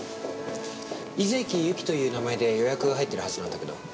井関ゆきという名前で予約が入ってるはずなんだけど。